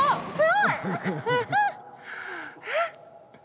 あっすごい！えっ？